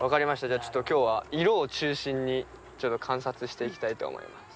じゃあちょっと今日は色を中心に観察していきたいと思います。